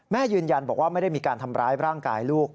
ยืนยันบอกว่าไม่ได้มีการทำร้ายร่างกายลูก